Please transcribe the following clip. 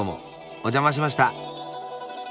お邪魔しました。